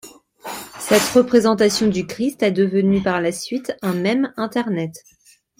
Cette représentation du Christ est devenue par la suite un mème Internet.